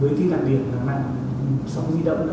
với cảnh điểm mạng sóng di động đã phổ